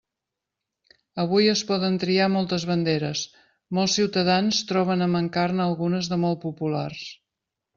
Avui es poden triar moltes banderes, molts ciutadans troben a mancar-ne algunes de molt populars.